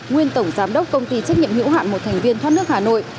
nguyên tổng giám đốc công ty trách nhiệm hữu hạn một thành viên thoát nước hà nội